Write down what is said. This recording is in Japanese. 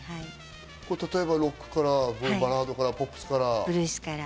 例えばロックからバラードからポップスから。